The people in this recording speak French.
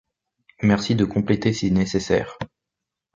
Merci de compléter si nécessaire.